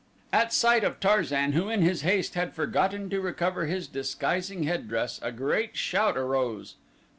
At sight of Tarzan, who in his haste had forgotten to recover his disguising headdress, a great shout arose.